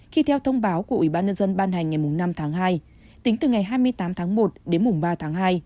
khi theo thông báo của ủy ban nhân dân ban hành ngày năm tháng hai tính từ ngày hai mươi tám tháng một đến ba tháng hai